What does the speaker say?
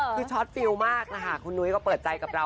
คือช็อตฟิลมากนะคะคุณนุ้ยก็เปิดใจกับเรา